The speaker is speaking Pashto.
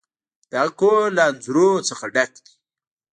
د هغه کور له انځورونو څخه ډک دی.